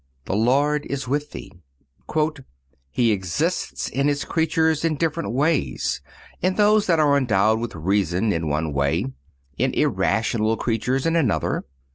_"__The Lord is with thee.__"_ "He exists in His creatures in different ways; in those that are endowed with reason in one way, in irrational creatures in another.